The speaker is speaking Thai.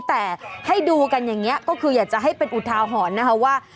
แต่ให้ดูกันอย่างนี้ก็คืออยากจะให้เป็นอุทาหรณ์นะคะว่า